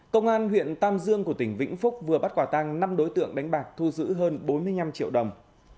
công an huyện tam dương của tỉnh vĩnh phúc vừa bắt quả tăng năm đối tượng đánh bạc thu giữ hơn bốn mươi năm triệu đồng